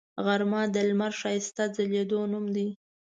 غرمه د لمر ښایسته ځلیدو نوم دی